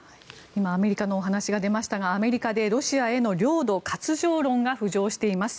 今、アメリカのお話が出ましたがアメリカでロシアへの領土割譲論が浮上しています。